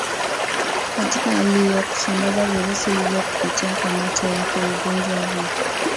katika hali hiyo kusambaza virusi hivyo kupitia kwa mate yake Ugonjwa huu